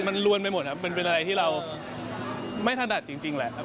มันลวนไปหมดครับมันเป็นอะไรที่เราไม่ถนัดจริงแหละครับ